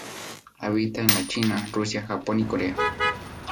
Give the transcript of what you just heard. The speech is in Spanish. Habita en la China, Rusia, Japón y Corea.